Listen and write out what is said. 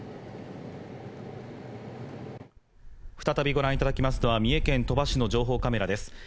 再びご覧いただきます三重県鳥羽市の情報カメラです。